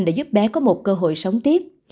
để giúp bé có một cơ hội sống tiếp